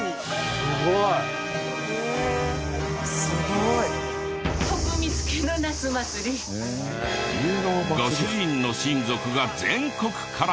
すごい。へえすごい。ご主人の親族が全国から。